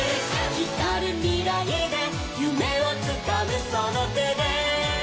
「ひかるみらいでゆめをつかむそのてで」